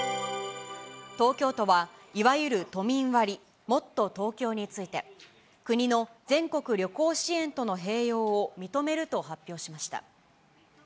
東京都は、いわゆる都民割、もっとＴｏｋｙｏについて、国の全国旅行支援との併用を認めると発表しました。